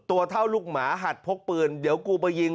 ตัวเท่าลูกหมาหัดพกปืนเดี๋ยวกูไปยิง